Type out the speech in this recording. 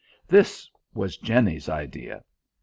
This was Jenny's idea.